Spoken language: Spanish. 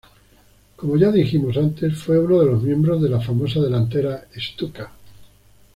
Como ya dijimos antes, fue uno de los miembros de la famosa delantera "Stuka".